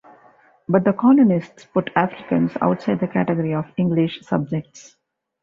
But the colonists put Africans outside the category of English subjects.